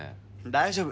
大丈夫。